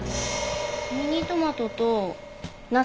ミニトマトとナス。